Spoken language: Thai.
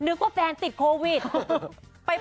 นึกว่าแฟนติดโตรไวท์